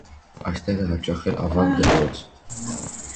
Այստեղ է հաճախել ավագ դպրոց։